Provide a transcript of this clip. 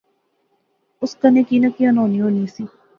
اس کنے کی نہ کی انہونی ہوئی نی